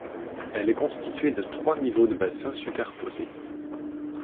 Elle est constituée de trois niveaux de bassins superposés.